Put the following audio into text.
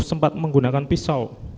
sempat menggunakan pisau